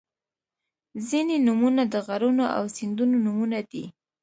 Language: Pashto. • ځینې نومونه د غرونو او سیندونو نومونه دي.